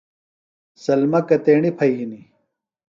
سلمی کتیݨی پھئی ہِنیۡ؟